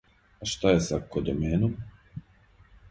А шта је са кодоменом?